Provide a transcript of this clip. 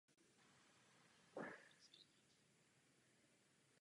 Při přípravě právního předpisu došlo k několika nedorozuměním.